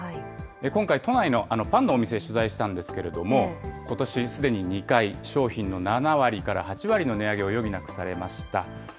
今回、都内のパンのお店、取材したんですけれども、ことしすでに２回、商品の７割から８割の値上げを余儀なくされました。